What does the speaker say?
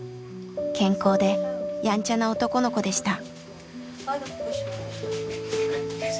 健康でやんちゃな男の子でした。